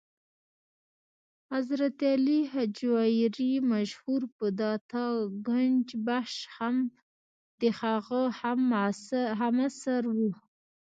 حضرت علي هجویري مشهور په داتا ګنج بخش هم د هغه هم عصر و.